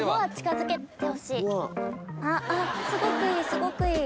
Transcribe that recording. すごくいいすごくいい。